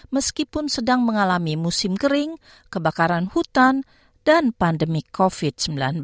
meskipun sedang mengalami musim kering kebakaran hutan dan pandemi covid sembilan belas